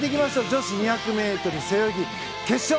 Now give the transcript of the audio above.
女子２００ｍ背泳ぎ決勝。